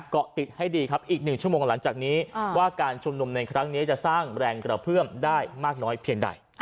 เกาะติดให้ดีครับอีก๑ชั่วโมงหลังจากนี้ว่าการชุมนุมในครั้งนี้จะสร้างแรงกระเพื่อมได้มากน้อยเพียงใด